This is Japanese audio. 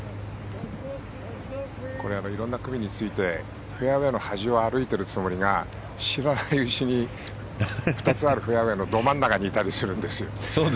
いろんな組についてフェアウェーの端を歩いているつもりが知らないうちに２つあるフェアウェーのど真ん中にいたりするんです。